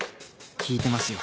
効いてますよ